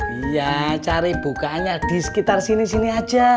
iya cari bukaannya di sekitar sini sini aja